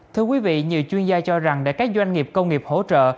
thưa quý vị nhiều chuyên gia cho rằng để các doanh nghiệp công nghiệp hỗ trợ